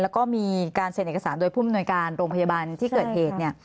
แล้วก็มีการเซ็นเอกสารโดยผู้มนวยการโรงพยาบาลที่เกิดเหตุเนี่ย